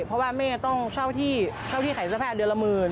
เพราะว่าแม่ต้องเช่าที่เช่าที่ขายเสื้อผ้าเดือนละหมื่น